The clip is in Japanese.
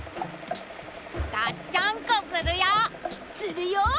がっちゃんこするよ！